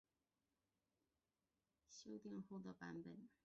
现在所见的广州话拼音方案就是经饶秉才修订后的版本。